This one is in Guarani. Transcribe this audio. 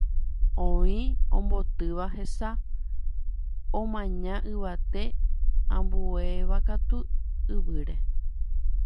Oĩ ombotýva hesa, omañáva yvate, ambuévakatu yvýre.